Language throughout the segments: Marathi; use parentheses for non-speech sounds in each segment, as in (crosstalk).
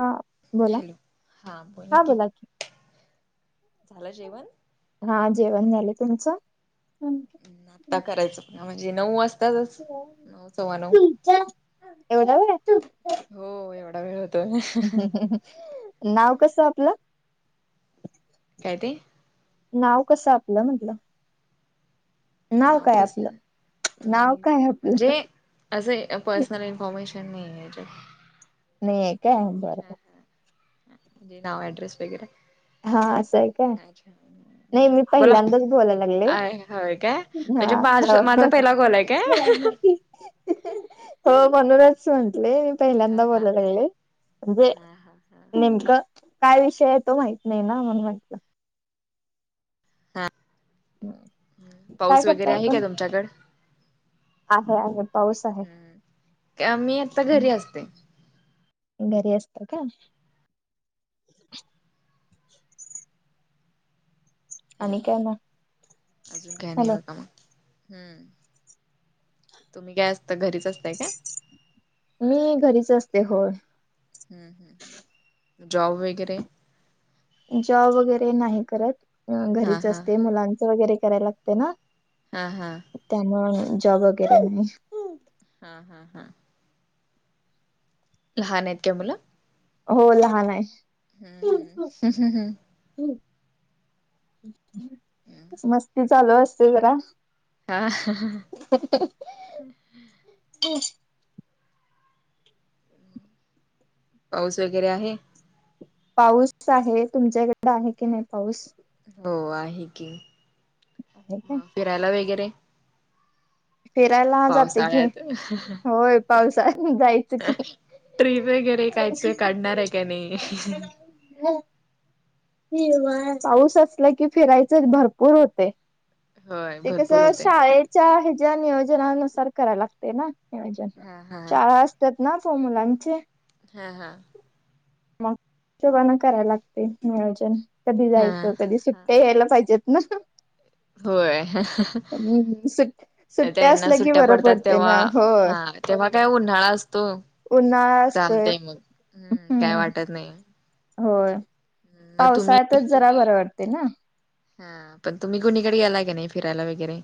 हा बोला हॅलो हा बोला की. झाल जेवण? हा जेवण झाल तुमच? आता करायचं म्हणजे नऊ वाजता. हम्म. तुमचं? हो एवढा वेळ होतो नाव कसं आपलं? काय ते नाव कसं आपलं म्हटलं नाव काय कस आपलं नाव काय आपलं म्हणजे? असे पर्सनल इन्फॉर्मेशन नाही यांच्यात नाही आहे काय बरं म्हणजे नाव अड्रेस वगैरे हा असं आहे काय अच्छा नाही मी बोला पहिल्यांदाच बोलायला लागले अ होय काय. म्हणजे हा माझा हो माझा पहिला कॉल आहे काय? हो म्हणूनच म्हंटले. हा पहिल्यांदा हा बोलाय लागलोय म्हणजे हा हा हा नेमकं. काय विषय आहे तो माहित नाही ना म्हणून म्हटलं हा काय पाऊस करता वगैरे आहे का तुमच्याकड? आहे आहे पाऊस आहे. हम्म मी आता घरी असते घरी असते का? हॅलो आणि काय मग अजून घय नाही हॅलो आहे बा कामा. हम्म तुम्ही काय असता घरीच असताय का? मी घरीच असते होय. हम्म हम्म जॉब वगैरे? जॉब वगैरे नाही करत हा घरीच हा. असते मुलांच वगैरे करायला लागते ना हा हा त्यांमुळ जॉब वगैरे नाही. हा हा हा. लहान आहेत का मुलं? हो लहान आहे. हम्म हम्म हम्म हम्म हम्म मस्ती चालू असते जरा हा हा ह. हम्म. पाऊस वगैरे आहे? पाऊस आहे. तुमच्याकडे आहे की नाही पाऊस? हो आहे की, आहे का फिरायला वगैरे? फिरायला जाते की, पावसाळ्यात होय पावसाळा जाय ट्रीप वगैरे काय ते काढणार आहे काय नाही? (inaudible) पाऊस असला कि फिरायचं भरपूर होते. होय ते भरपूर कसं होतय. शाळेच्या ह्याच्या नियोजनानुसार करायला लागते ना. हा हा. शाळा असतात ना प मुलांचे. हा हा! मग हिशोबानं करायला लागते, नियोजन कधी हा. जायचं कधी सुट हा. ते यायला पाहिजेत ना. होय! हम्म सुट सुट्ट्या त्यांना असल्या की सुट्ट्या बरं पडतात पडते तेव्हा ना. हो! हा तेव्हा काय उन्हाळा असतो उन्हाळा असतोय चालतय मग हम् काय हम्म वाटत नाही. होय, मग तुम्ही पावसाळ्यातच जरा बरं वाटते ना. हा, पण तुम्ही कुणीकडे गेला की नाही फिरायला वगैरे?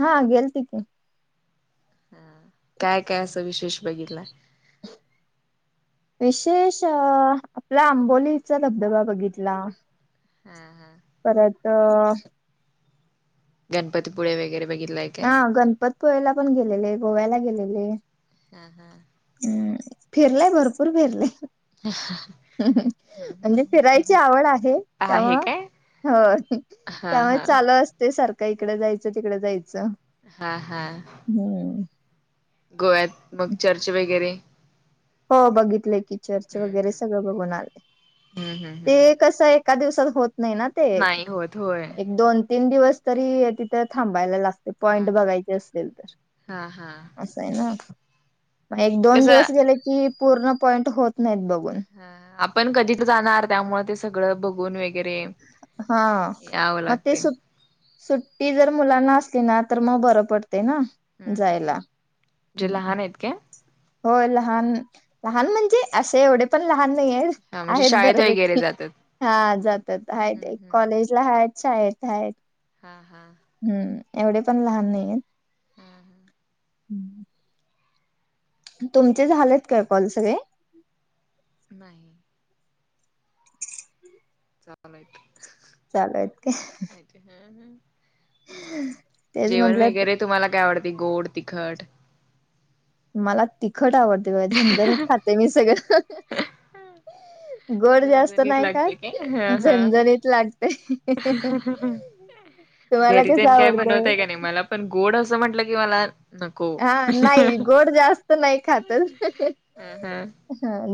हा गेलते की. हम, काय काय असं विशेष बघितला? विशेष अ आपला आंबोलीचा धबधबा बघितला. हम्म हम्म! परत गणपतीपुळे वगैरे बघितलाय? ह काय गणपतपुळेला पण गेलेले, गोव्याला गेलेले. हम्म हम्म! हम्म, फिरलय भरपूर फिरले. (inaudible) म्हणजे फिरायची आवड आहे हा आहे त्यामुळं काय हो, हा त्यामुळे हा चालू असते सारखं इकडं जायचं तिकडे जायचं. हा हा, हम्म गोव्यात मग चर्च वगैरे? हो, बघितलं की चर्च हम्म वगैरे हम्म सगळं बघून आले. हम्म हम्म ते हम्म कसं एका दिवसात होत नाही ना ते नाही होत होय एक दोन तीन दिवस तरी तिथं थांबायला लागते पॉइंट लागते बघायचे असेल तर. हा हा (inaudible) ना मग एक दोन कस दिवस गेले की पूर्ण पॉईंट होत नाहीत बघून. हम्म आपण कधी तर जाणार त्यामुळे ते सगळं बघून वेग हा मग ते लागते सु सुट्टी जर मुलांना असली ना तर मग बरं पडते ना. हम्म हम् जायला हम् म्हणजे हम्म लहान आहेत काय? होय लहान, लहान म्हणजे असे एवढे पण लहान नाहीयेत हा म्हणजे आहेत शाळेत वगैरे बऱ्यापैकी. जातात. हा जातात हम्म आहेत हम्म कॉलेजला आहेत कॉलेजला आहेत. हा हा! हम्म, एवढे पण लहान नाहीेयेत. हम्म! तुमचे झालेत काय कॉल सगळे? नाही. चालुयत. चालूयेत का? हम् हम्, म तेच जेवण म्हटलं वगैरे तुम्हाला काय आवडते गोड, तिखट? मला तिखट आवडते बघा झणझणीत खाते मी सगळं. (inaudible) गोड जास्त झणझणीत नाही खात लागते काय हा हा. झणझणीत लागतय. तुम्हाला घरी कसं तेन काय आवडतंय बनवताय का नाय मला पण गोड असं म्हटलं की मला नको हा नाय गोड जास्त नाय खात हा ह ह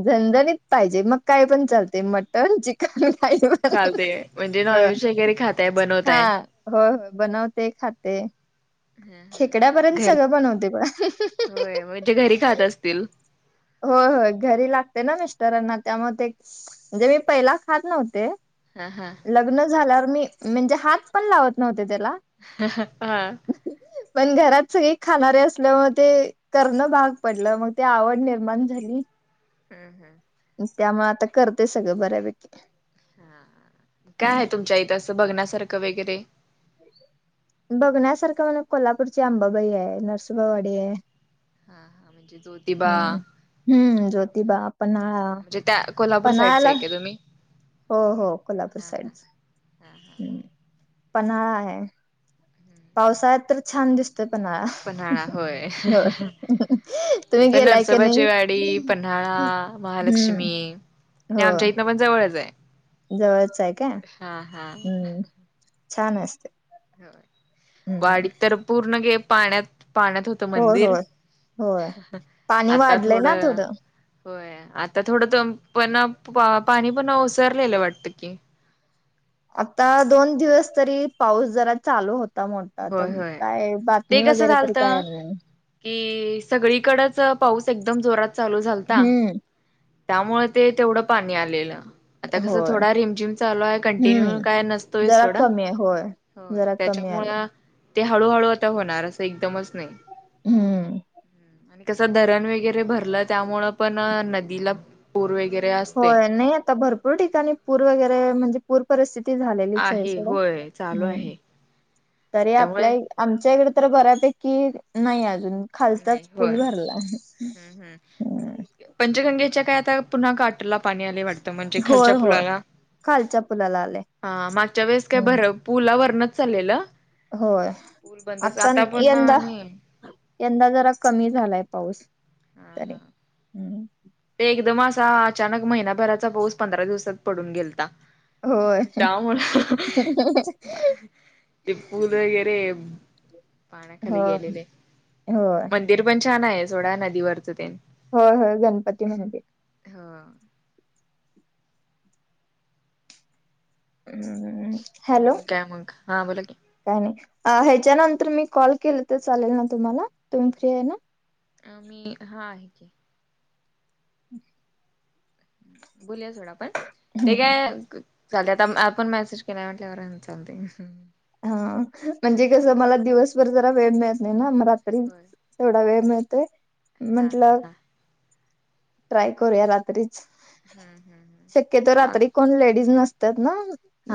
झणझणीत पाहिजे मग काय पण चालते म टन, चिकन कायपण चालतय म्हणजे नॉनव्हेज वगैरे खाताय हा बनवताय हो हो बनवते खाते. खेकड्यापर्यंत घरी सगळं बनवते बघा. होय म्हणजे घरी खात असतील होय होय घरी लागते ना मिस्टरांना त्यामुळ ते म्हणजे मी पहिला खात नव्हते. हा हां. लग्न झाल्यावर मी म्हणजे हात पण लावत नव्हते त्याला. हा. पण घरात सगळी खाणारे असल्यामुळ ते करणं भाग पडलं मग ते आवड निर्माण झाली. हम् हम्. त्यामुळ आता करते सगळं बऱ्यापैकी. काय हाय तुमच्या इथं असं बघण्यासारखं वगैरे? बघण्यासारखं म्हण कोल्हापूरची अंबाबाई हाय नरसोबावाडी हाय. हा हा म्हणजे जो हम्म हम्म, ज्योतिबा, पन्हाळा म्हणजे त्या कोल्हापूर साईडचे पन्हाळाला आहे का तुम्ही? हो हो कोल्हापूर साईडच पन्हाळा हाय. पावसाळ्यात तर छान दिसतोय पन्हाळा. पन्हाळा होय, हो तुम्ही पण गेलाय की नाही नरसोबाचीवाडी, पन्हाळा हम्म महालक्ष्मी हे हो आमच्या इथनं पण जवळच आय. जवळच आय का हा हम्म छान असते. होय, हम्म वाडीत तर पूर्ण गे पाण्यात पाण्यात हो त होय मंदिर होय होय पाणी आता वाढलंय थोड ना थोडं होय आता थोडं पण पाणी पण ओसरलेलं वाटतं की? आता दोन दिवस तरी पाऊस जरा चालू हो ता मोठा आत होय होय काय ते बातमी कसं वगैरे तरी काय झालतं नाय. कि सगळीकडच पाऊस एकदम जोरात चालू झालता. हम्म त्यामुळ ते तेवढं पाणी आलेलं. आता कसं होय थोडा रिम जिम चालू आय हम्म कंटिन्यू काय नसतोय जरा सोडा. कमी आहे होय होय जरा कमी त्याच्यामूळ आले ते हळूहळू आता होणार असं एकदमच नाय. हम्म आणि कसं धरण वगैरे भरलं त्यामुळं पण नदीला पूर वगैरे असते. होय नाई आता भरपूर ठिकाणी पूर वगैरे म्हणजे पूर परिस्थिती झालेलीच हाय आहे सोडा होय चालू हम् आहे तरी त्यामुळे आपल्या आमच्या इकड तर बऱ्यापैकी नाय अजून. नाही खालचाच होय पूल भरला. हम्म हम्म. पंचगंगेच्या काय आता पुन्हा काटला पाणी आलय वाटतं म्हणजे होय खालच्या होय पुलाला? खालच्या पुलाला आले हा मागच्या वेळेस काय हम्म बर पुला वरनचं चाल्लेलं. होय, आता यंदा आणि यंदा जरा कमी झालाय पाऊस हा तरी हा. हम्म. ते एकदम असा अचानक महिनाभराचा पाऊस पंधरा दिवसात पडून गेलता. होय त्यामुळं ते पूल वगैरे हो पाण्याखाली गेलेले होय मं दिर पण छान आहे सोडा नदीवरचं तेन. होय होय गणपती मंदिर. हा. हम्म. हॅलो अजून काय मग? हा बोला की. काय नाही अ ह्याच्यानंतर मी कॉल केल तर चालेल ना तुम्हाला तुम्ही फ्री आहे ना. आ मी हा आहे की. बोलुया सोडा आपण ते काय चालते आता पण मेसेज केलाय म्हटल्यावर चालते. हा म्हणजे कसं मला दिवसभर जरा वेळ मिळत नाही ना म रात्री होय तेवढा वेळ मिळतोय हा म्हटल हा हा ट्राय करूया रात्रीच हम्म हम्म हम्म. शक्यतो चाल रात्री कोण लेडीज नसत्यात ना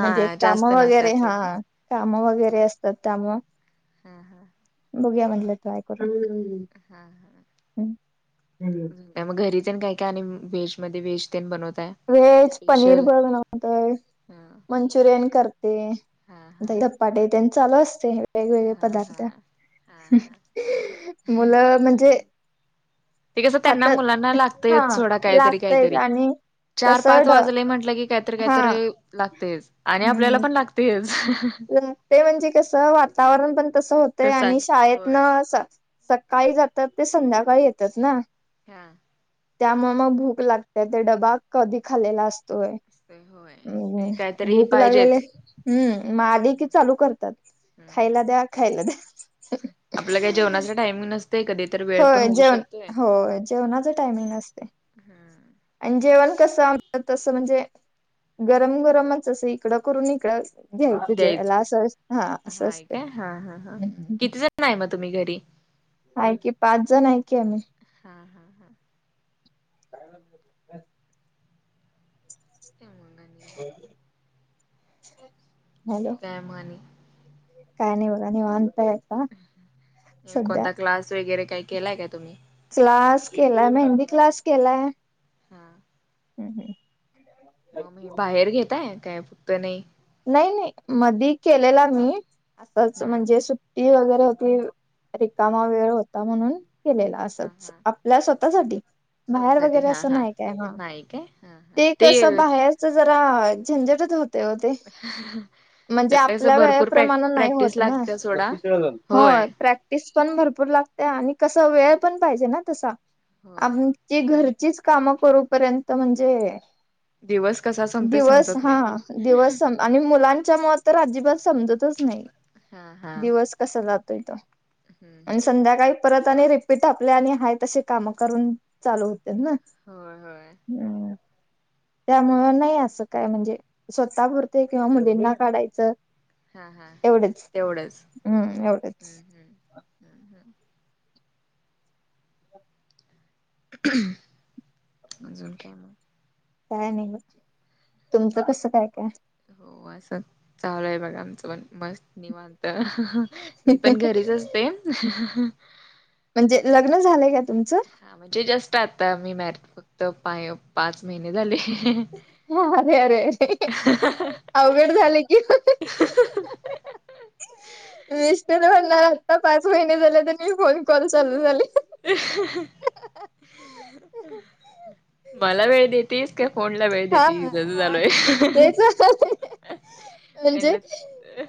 म्हणजे काम जास्त वगैरे नसत्यात हा सोडा कामं वगैरे असतात त्यामुळं हा हा. बघुया म्हटलं ट्राय करून. हा हा. मग घरी तेन काय काय आणि व्हेजमध्ये व्हेज तेन बनवताय? व्हेज पनीर स्पेशल ब बनवतोय. ह मंचुरियन करते हा हा दही धपाटे तेन चालू असतंय. वेगवेगळे हा पदार्थ, हा हा हा मुलं म्हणजे ते कसं त्यांना हातात मुलांना हा लागतयचं सोडा काहीतरी लागतयच काहीतरी. आणि चार कसं पाच ढ वाजलयं म्हटलं की काहीतरी हा काहीतरी लागतयचं आणि आपल्याला पण लागतयचं. ल ते म्हणजे कसं वातावरण पण तसं होतंय तस आहे आणि शाळेतन होय स सकाळी जातात ते संध्याकाळी येतात ना. हा. त्यामुळं मग भूक लागते ते डबा कधी खालेला अस तोय असतय होय आणि काहीतरी भूक लागलेले पाहिजेच हम्म. मग आली की हम्म चालू करतात हम्म खायला द्या खायला द्या. आपलं काय जेवणाच टाइमिंग नसतयं कधी तर वेळ पण होय होऊ जेवण शकतोय. हो जेवणाच टायमिंग नसतयं. हम्म. आणि जेवण कसं आमच तसं म्हणजे गरम गरमच असं इकडं करून इकडं घेवतो द्यायच जेवायला असं हा असं असतंय. न आहे मग तुम्ही घरी? आहे की पाच जण आहे की आम्ही. हा हा हा (unintelligible) हॅलो. काय मग आणि? काय नाही बघा निवांतय. कोणता क्लास वगैरे काही केलाय काय तुम्ही? क्लास केलाय मेहंदी क्लास केलाय. हा. हम्म हम्म. म मी बाहेर घेताय काय फक्त नाही. नाही नाही मधी केलेला मी असंच हम्म म्हणजे सु ती वगैरे होती रिकामा वेळ होता म्हणून केलेला अस. हा असंच हा आपल्या स्वतःसाठी. बाहेर स्वतःसाठी वगैरे हा असं नाही काय हा, नाही काय हा हा ते कसं बाहेर च जरा झंझटच होतेय ओ ते. ह. म्हणजे आपल्या वेळेप्रमाण नाही होत प्रॅक्टिस ना लागते सोडा होय प्रे टीस पण भरपूर लागत्या आणि कस वेळ पण पाहिजे ना तसा होय आम ची घरचीच कामं करूपर्यंत म्हणजे. दिवस कसा संपतोय दिवस समजत हा नाही दिवस. आणि मुलांच्या मुळ तर अजिबात समजतच नाही हा हा दिवस कसा जातोय तो हम्म आणि हम्म संध्याकाळी परत आणि रिपीट आपले आणि हाय तशी कामं करून चालू होते ना. होय होय. हम् त्यामुळं नाही असं काय म्हणजे स्वतः पुर ते किंवा मुलींना काढायचं. हा हा एवढेच तेवढंच हम्म एवढेच हम्म हम्म हम् हम्म. अजून काय मग? काय नाही बघ तुमचं कस काय काय? हो असं चालू आहे बघा आमचं पण मस्त निवांत. मी पण घरीच असते. म्हणजे लग्न झालंय का तुमचं? हा म्हणजे जस्ट आता मी मॅर फक्त पाय पाच महिने झाले. अरे अरेरे अवघड झाले की. (inaudible) मिस्टर म्हणणार आता पाच महिने झालेत आणि फोन कॉल चालू झाले. मला वेळ देत तीस काय फोनला वेळ हा देतीस अस हा झालंय. तेच म्हणजे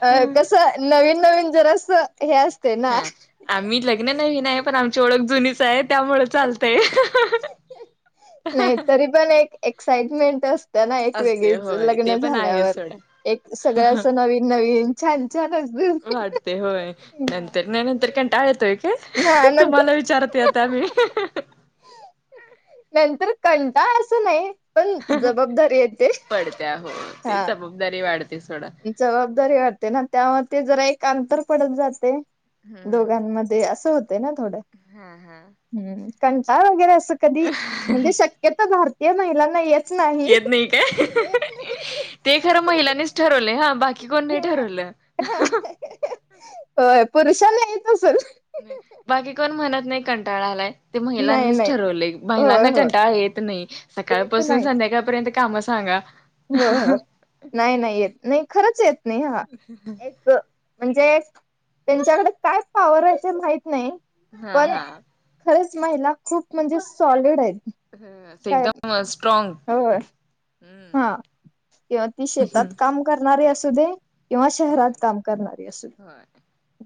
अ कसं नवीन नवीन जरासं हे असते ना. हा आम्ही लग्न नवीन आहे पण आमची ओळख जुनीच आहेत. त्यामुळे चालतय. नाही तरी पण एक एक्साइटमेंट असते ना एक असते वेगळीच होय लग्न ते पण आहे झाल्यावर. सोडा एक सगळं अस नवीन नवीन छान छान असतय. तर नाही नंतर कंटाळा येतोय का नंतर तुम्हाला विचारते आता मी. नंतर कंटाळा असं नाही पण जबाबदारी येते. पडत्या हो हा ते जबाबदारी वाढते सोडा. जबाबदारी वाढते ना त्यामुळे ते जरा एक अंतर पडत जाते हम्म. दोघांमध्ये अस. अस होत ना थोड कंटाळा वगैरे अस कधी म्हणजे शक्य तो भारतीय महिलांना येत येत नाही काय, येत नाही. ते खरं महिलानीचं ठरवले हा बाकी बाकी कोण नाही हा ठरवलं. हा होय पुरुषाला येत असलं. बाकी कोण म्हणत नाही, कंटाळा आलाय. ते नाही महिलांनीचं नाही ठरवलंय, होय महिलांना होय कंटाळा येत नाही. येत सकाळपासून नाही संध्याकाळपर्यंत काम सांगा हो, हो, नाही, नाही, येत नाही, खरंच येत नाही हा एक म्हणजे त्यांच्याकडे काय पावर आसत्यात माहीत नाही हा पण हा खरंच महिला, खूप म्हणजे सॉलिड हायेत. हं अस एकदम अं स्ट्रॉंग. होय हम्म हा किंवा ती शेतात काम करणारी असू दे किंवा होय. शहरात काम करणारी असू दे. होय.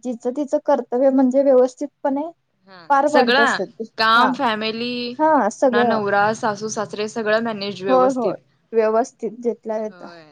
जिचं तिचं कर्तव्य म्हणजे व्यवस्थितपणे हा पार पाडत सगंळा असतात ते हा काम, फॅमिली, हा पुन्हा सगळं नवरा, सासू, सास रे सगळं मॅनेज होय, व्यवस्थित होय व्यवस्थित जितल्या तिथ. होय.